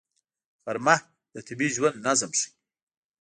غرمه د طبیعي ژوند نظم ښيي